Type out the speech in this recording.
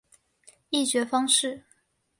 议决方式